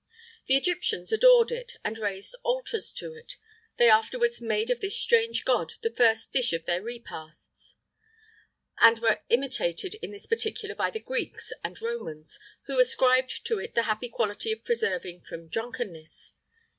The Egyptians adored it, and raised altars to it. They afterwards made of this strange god the first dish of their repasts, and were imitated in this particular by the Greeks and Romans, who ascribed to it the happy quality of preserving from drunkenness.